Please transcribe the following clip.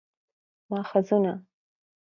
ماخذونه: